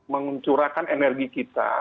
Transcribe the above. mencurahkan energi kita